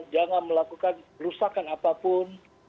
jangan melakukan rusakan apapun